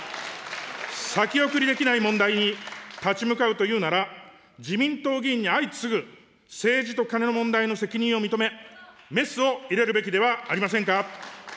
先送りできない問題に立ち向かうというなら、自民党議員に相次ぐ政治とカネの問題の責任を認め、メスを入れるべきではありませんか。